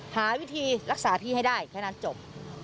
หาวิธีรักษาพี่ให้ได้แค่นั้นจบ